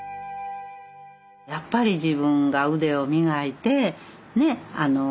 やっぱり自分が腕を磨いてね